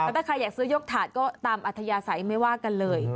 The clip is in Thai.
แต่ถ้าใครอยากซื้อยกถาดก็ตามอัธยาศัยไม่ว่ากันเลย